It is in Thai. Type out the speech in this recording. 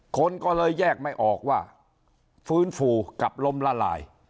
คนก็เลยแยกไม่ออกว่าฟื้นฟูกับลมละลาย